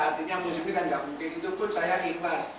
artinya musim ini kan nggak mungkin itu pun saya ikhlas